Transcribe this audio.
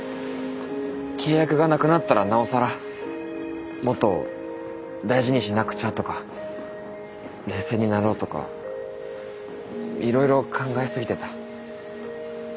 契約がなくなったらなおさらもっと大事にしなくちゃとか冷静になろうとかいろいろ考えすぎてた。